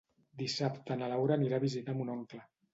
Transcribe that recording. Dissabte na Laura anirà a visitar mon oncle.